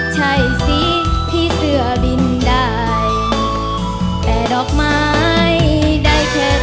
ใช่สิพี่เสื้อบินได้แต่ดอกไม้ได้แค่